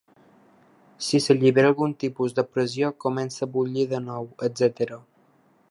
Si s'allibera algun tipus de pressió, comença a bullir de nou, etc.